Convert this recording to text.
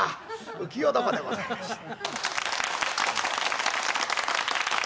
「浮世床」でございました。